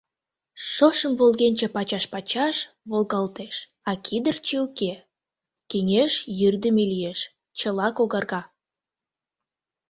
«Шошым волгенче пачаш-пачаш волгалтеш, а кӱдырчӧ уке — кеҥеж йӱрдымӧ лиеш, чыла когарга».